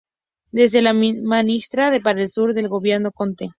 Desde el es Ministra para el Sur del Gobierno Conte.